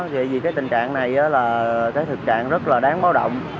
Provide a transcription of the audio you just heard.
vậy vì cái tình trạng này là cái thực trạng rất là đáng báo động